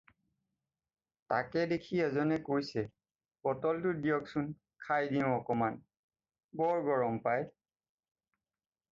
"তাকে দেখি এজনে কৈছে, "বটলটো দিয়কচোন, খাই দিওঁ অকণমান। বৰ গৰম পাই।"